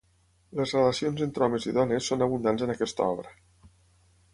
Les relacions entre homes i dones són abundants en aquesta obra.